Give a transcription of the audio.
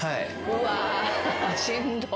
うわしんどっ。